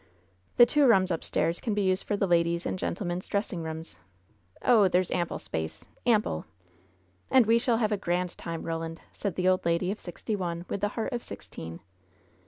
The two rooms upstairs can be used for the ladies' and gentle men's dressing rooms. Oh, there's ample space I ample! 8 LOVE'S BITTEREST CUP And we shall have a grand time, Roland !" said the old lady of sixty one with the heart of sixteen.